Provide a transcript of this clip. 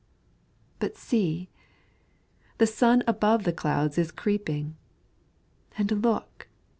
But see! the sun above the clouds is creeping, And look!